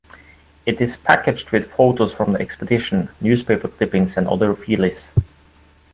It is packaged with photos from the expedition, newspaper clippings and other feelies.